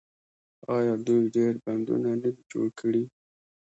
آیا دوی ډیر بندونه نه دي جوړ کړي؟